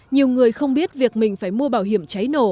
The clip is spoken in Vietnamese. nhiều người không biết việc mình phải mua bảo hiểm cháy nổ